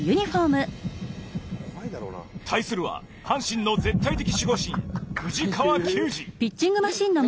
対するは阪神の絶対的守護神藤川球児。